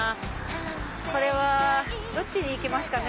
これはどっちに行きますかね。